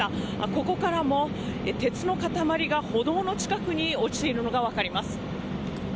ここからも鉄の塊が歩道の近くに落ちているのが分かります。